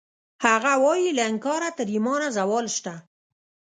هغه وایی له انکاره تر ایمانه زوال شته